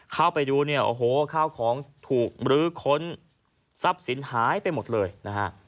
เข้าไปดูเนี่ยโอ้โหข้าวของถูกมรื้อค้นทรัพย์สินหายไปหมดเลยนะฮะ